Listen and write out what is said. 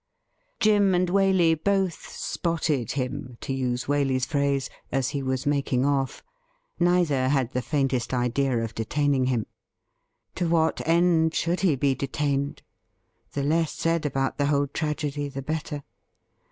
Jim and Waley both ' spotted ' him, to use Waley's phrase, as he was making off; neither had the faintest idea of detaining him. To what end should he be detained ? The less said about the whole tragedy the better.